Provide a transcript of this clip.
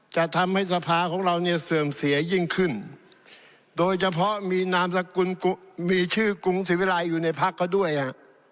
จะทำให้สภาของเราเนี่ยเสื่อมเสียยิ่งขึ้นโดยเฉพาะมีนามสกุลมีชื่อกรุงศิวิรัยอยู่ในพักเขาด้วยฮะ